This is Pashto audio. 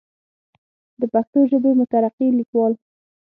دَ پښتو ژبې مترقي ليکوال